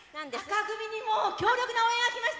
紅組にも強力な応援が来ました。